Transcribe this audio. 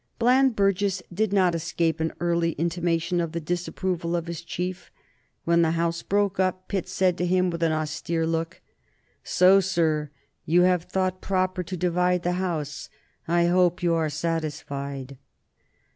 Bland Burges did not escape an early intimation of the disapproval of his chief. When the House broke up, Pitt said to him, with an austere look, "So, sir, you have thought proper to divide the House. I hope you are satisfied."